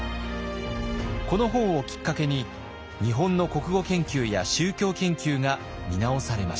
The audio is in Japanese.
この本をきっかけに日本の国語研究や宗教研究が見直されました。